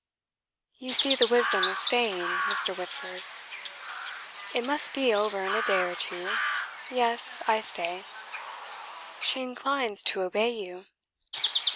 "You see the wisdom of staying, Mr. Whitford." "It must be over in a day or two. Yes, I stay." "She inclines to obey you."